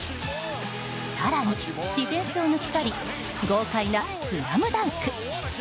更に、ディフェンスを抜き去り豪快なスラムダンク！